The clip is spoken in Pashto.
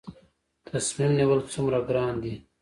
تصمیم نیول څومره ګران دي؟